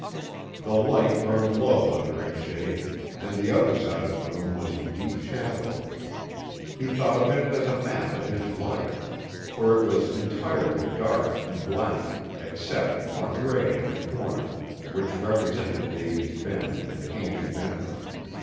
The light burned low under its shade, and the other side of the room was in deep shadow. He thought of it as a map of his life; for it was entirely dark and blank, except the one ray in the corner, which represented Davy's Bend and Annie Benton.